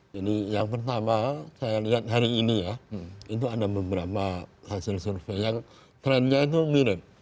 jadi yang pertama saya lihat hari ini ya itu ada beberapa hasil survei yang trendnya itu mirip